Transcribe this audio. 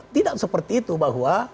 tidak seperti itu bahwa